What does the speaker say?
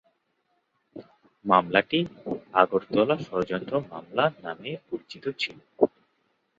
মামলাটি ‘আগরতলা ষড়যন্ত্র মামলা’ নামে পরিচিত ছিল।